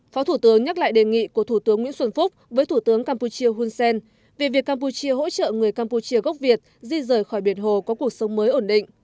phó thủ tướng nhắc lại đề nghị của thủ tướng nguyễn xuân phúc với thủ tướng campuchia hun sen về việc campuchia hỗ trợ người campuchia gốc việt di rời khỏi biển hồ có cuộc sống mới ổn định